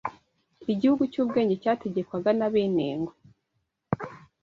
Igihugu cy'u Bungwe cyategekwaga n'Abenengwe